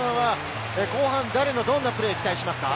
誰のどんなプレーを期待しますか？